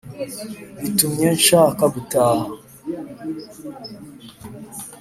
bitumye nshaka gutaha